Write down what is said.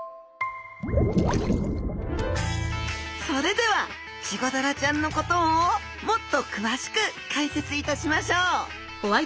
それではチゴダラちゃんのことをもっと詳しく解説いたしましょう！